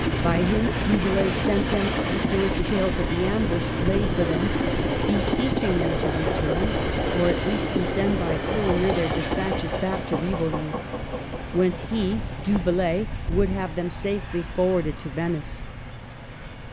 By him Du Bellay sent them accurate details of the ambush laid for them, beseeching them to return, or at least to send by the courier their despatches back to Rivoli, whence he, Du Bellay, would have them safely forwarded to Venice.